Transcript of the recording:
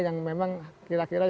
yang memang kira kira